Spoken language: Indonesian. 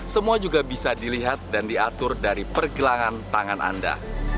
semua juga bisa dilihat dan diatur dari pergelangan tangan anda